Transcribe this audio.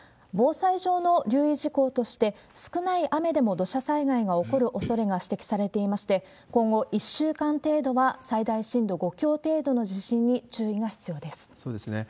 防災上の留意事項として、少ない雨でも土砂災害が起こるおそれが指摘されていまして、今後１週間程度は最大震度５強程度の地震に注意が必要です。